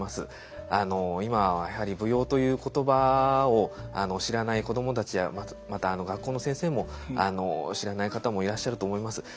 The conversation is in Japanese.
今はやはり「舞踊」という言葉を知らない子供たちやまた学校の先生も知らない方もいらっしゃると思います。